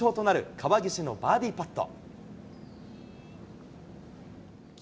川岸のバーディーパット。